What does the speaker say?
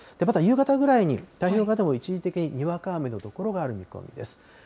また夕方ぐらいに、太平洋側でも一時的ににわか雨の所がある見込みです。